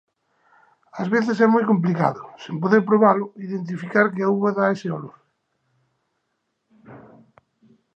Ás veces é moi complicado, sen poder probalo, identificar que uva dá ese olor.